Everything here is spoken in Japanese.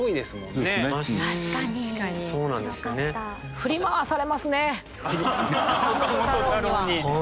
振り回されますね。